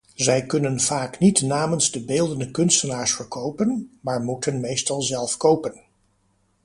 Zij kunnen vaak niet namens de beeldende kunstenaars verkopen, maar moeten meestal zelf kopen.